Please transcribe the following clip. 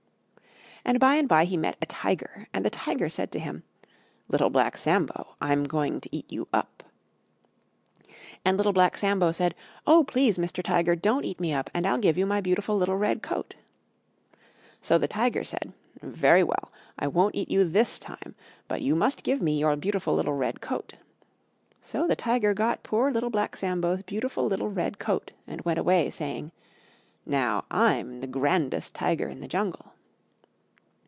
And by and by he met a Tiger. And the Tiger said to him, "Little Black Sambo, I'm going to eat you up!" And Little Black Sambo said, "Oh! Please, Mr. Tiger, don't eat me up, and I'll give you my beautiful little Red Coat." So the Tiger said, "Very well, I won't eat you this time, but you must give me your beautiful little Red Coat." So the Tiger got poor Little Black Sambo's beautiful little Red Coat, and went away saying, "Now I'm the grandest Tiger in the Jungle."